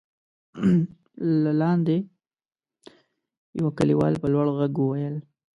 له لاندې يوه کليوال په لوړ غږ وويل: